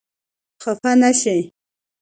خفه نه شئ !